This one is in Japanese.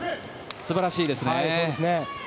素晴らしいですね。